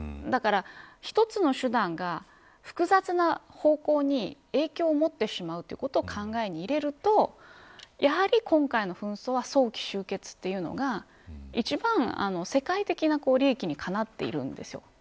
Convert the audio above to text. だから、一つの手段が複雑な方向に影響を持ってしまうということを考えに入れるとやはり今回の紛争は早期終結というのが一番、世界的な利益にかなっているんです。